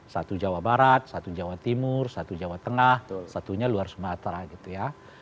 satu jawa barat satu jawa timur satu jawa tengah satunya luar sumatera gitu ya